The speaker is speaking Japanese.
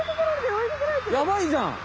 やばいじゃん！